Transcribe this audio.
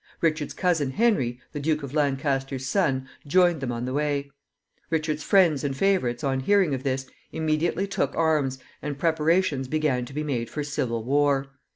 Richard's cousin Henry, the Duke of Lancaster's son, joined them on the way. Richard's friends and favorites, on hearing of this, immediately took arms, and preparations began to be made for civil war.